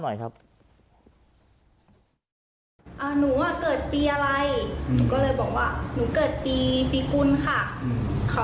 หนูก็เลยบอกว่าหนูเกิดปีปีกุลค่ะ